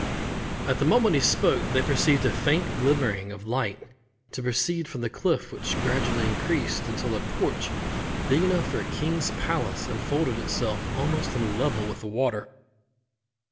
At the moment he spoke they perceived a faint glimmering of light to proceed from the cliff, which gradually increased until a porch big enough for a king's palace unfolded itself almost on a level with the water.